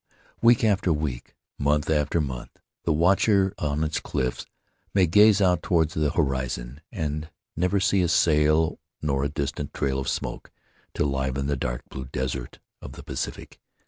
Week after week, month after month, the watcher on its cliffs may gaze out toward the horizon and see never a sail nor a distant trail of smoke to liven the dark blue desert of the Pacific.